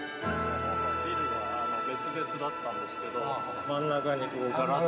ビルが別々だったんですけど真ん中にガラスの。